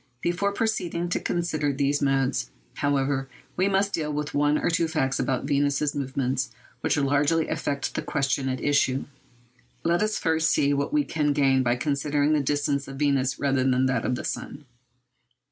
Before proceeding to consider those modes, however, we must deal with one or two facts about Venus's movements which largely affect the question at issue. Let us first see what we gain by considering the distance of Venus rather than that of the sun.